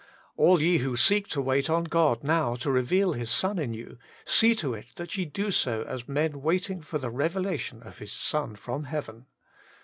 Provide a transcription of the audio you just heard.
All ye who seek to wait on God now to reveal His Son in you, see to it that ye do so as men waiting for the revelation of His Son from heaven.